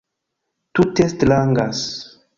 Tute strangas